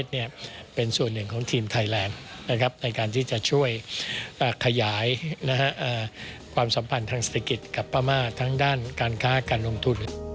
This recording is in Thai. มีการให้การที่จะช่วยขยายความสัมพันธ์ทางเศรษฐกิจกับประมาททั้งด้านการค้าการลงทุน